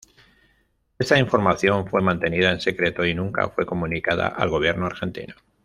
Esta información fue mantenida en secreto y nunca fue comunicada al gobierno argentino.